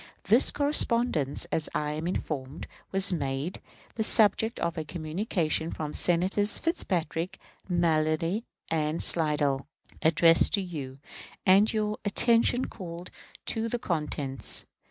This correspondence, as I am informed, was made the subject of a communication from Senators Fitzpatrick, Mallory, and Slidell, addressed to you, and your attention called to the contents.